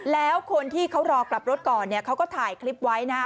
แล้วคนที่เขารอกลับรถก่อนเนี่ยเขาก็ถ่ายคลิปไว้นะฮะ